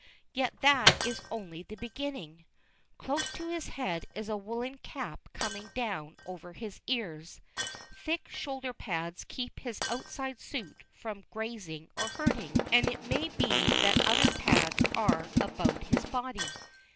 Yet that is only the beginning. Close to his head is a woollen cap coming down over his ears. Thick shoulder pads keep his outside suit from grazing or hurting, and it may be that other pads are about his body.